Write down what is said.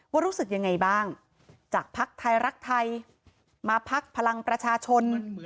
รู้สึกยังไงบ้างจากภักดิ์ไทยรักไทยมาพักพลังประชาชน